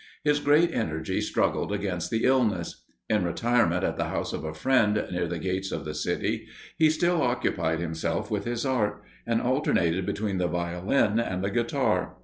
His great energy struggled against the illness. In retirement at the house of a friend, near the gates of the city, he still occupied himself with his art, and alternated between the Violin and the Guitar.